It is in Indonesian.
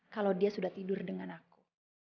kalau dia sudah tidur dengan aku